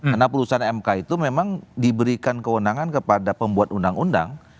karena putusan mk itu memang diberikan keundangan kepada pembuat undang undang